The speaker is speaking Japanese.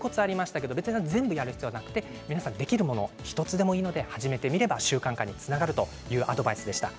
全部やる必要はなくて皆さんできるもの１つでもいいので始めてみるが習慣化につながるというアドバイスでした。